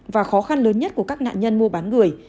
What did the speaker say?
và khó khăn lớn nhất của các nạn nhân mua bán người